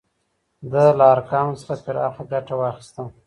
ده له ارقامو څخه پراخه ګټه واخیسته.